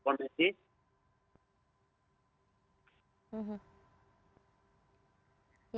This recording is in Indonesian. atau mengaktifkan protokol medis